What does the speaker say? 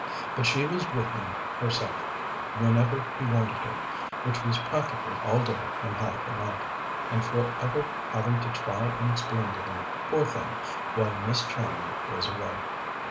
But she was with him herself whenever he wanted her, which was practically all day and half the night, and for ever having to try and explain to him, poor thing, why Miss Charmian was away.